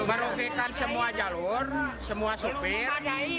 merugikan semua jalur semua supir